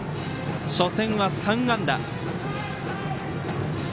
初戦は３安打。